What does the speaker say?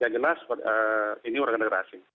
yang jelas ini warga negara asing